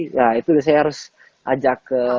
nah itu saya harus ajak ke